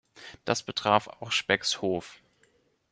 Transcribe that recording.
Das betraf auch Specks Hof.